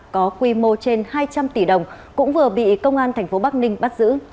có quy mô trên hai trăm linh tỷ đồng cũng vừa bị công an tp bắc ninh bắt giữ